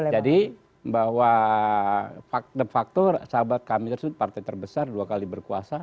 jadi bahwa faktor sahabat kami tersebut partai terbesar dua kali berkuasa